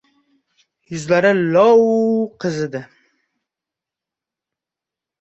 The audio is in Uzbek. Yuzlari lovv qizidi.